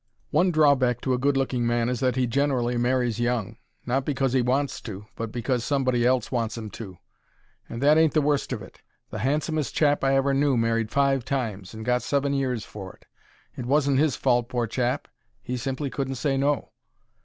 One drawback to a good looking man is that he generally marries young; not because 'e wants to, but because somebody else wants 'im to. And that ain't the worst of it: the handsomest chap I ever knew married five times, and got seven years for it. It wasn't his fault, pore chap; he simply couldn't say No.